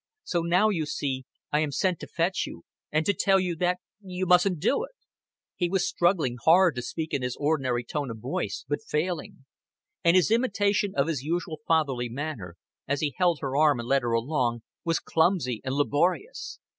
"So now, you see, I am sent to fetch you and to tell you that you mustn't do it." He was struggling hard to speak in his ordinary tone of voice, but failing. And his imitation of his usual fatherly manner, as he held her arm and led her along, was clumsy and laborious.